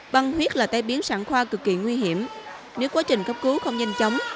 băng huyết là tay biến sản khoa cực kỳ nguy hiểm nếu quá trình cấp cứu không nhanh chóng